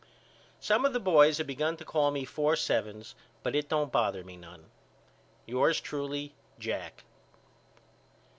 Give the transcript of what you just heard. Some of the boys have begun to call me Four Sevens but it don't bother me none. Yours truly, JACK.